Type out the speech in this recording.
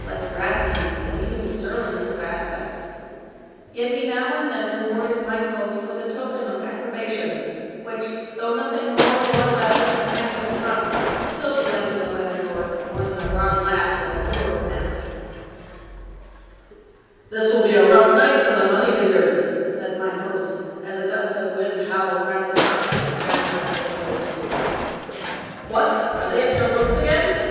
It is true Ramm never laughed, and, indeed, ever maintained a mastiff like gravity and even surliness of aspect; yet he now and then rewarded mine host with a token of approba tion, which, though nothing more nor less than a kind of grunt, still delighted the landlord more than a broad laugh from a poorer man. " This will be a rough night for the money diggers," said mine host, as a gust of wind howled round the house and rattled at the windows. " What ! are they at their works again